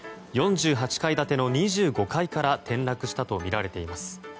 ４８階建ての２５階から転落したとみられています。